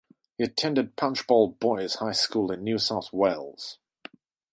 He attended Punchbowl Boys' High School in New South Wales.